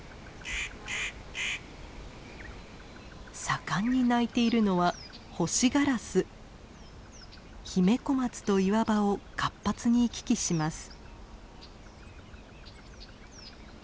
盛んに鳴いているのはヒメコマツと岩場を活発に行き来します。